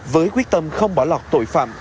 với quyết tâm không bỏ lọt tội phạm